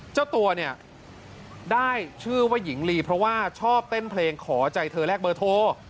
เจ้าตัวเนี่ยได้ชื่อว่าหญิงลีเพราะว่าชอบเต้นเพลงขอใจเธอแลกเบอร์โทร